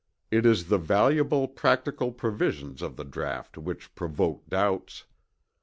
It is the valuable practical provisions of the draught which provoke doubts.